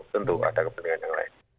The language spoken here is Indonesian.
tentu ada kepentingan yang lain